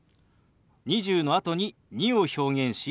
「２０」のあとに「２」を表現し「２２」。